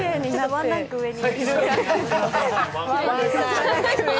ワンランク上に。